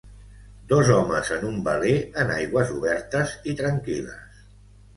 Dos homes en un veler en aigües obertes i tranquil·les.